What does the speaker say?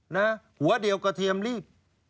หัวเดียวกระเทียมรีบ